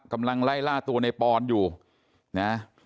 กำลังไล่ล่าตัวในปอนอยู่นะ